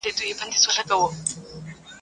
چي مرگ سته، ښادي نسته.